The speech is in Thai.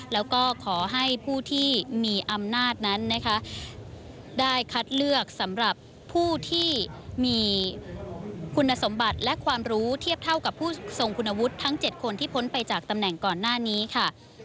แล้วก็ขอให้ผู้ที่มีอำนาจนั้นนะคะได้คัดเลือกสำหรับผู้ที่มีคุณสมบัติและความรู้เทียบเท่ากับผู้ทรงคุณวุฒิทั้ง๗คนที่พ้นไปจากตำแหน่งก่อนหน้านี้ค่ะ